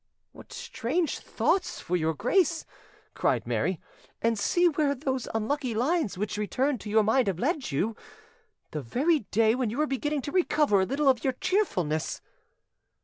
"What strange thoughts for your grace!" cried Mary; "and see where those unlucky lines which returned to your mind have led you, the very day when you were beginning to recover a little of your cheerfulness."